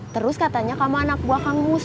terus katanya kamu anak buah kang mus berarti